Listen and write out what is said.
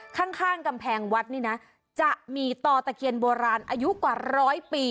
ข้างข้างกำแพงวัดนี่นะจะมีต่อตะเคียนโบราณอายุกว่าร้อยปี